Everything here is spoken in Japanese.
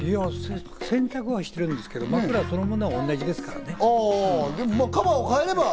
洗濯はしてるんですけど、枕そのものは同じですからね。